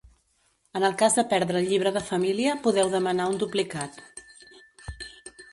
En el cas de perdre el Llibre de Família podeu demanar un duplicat.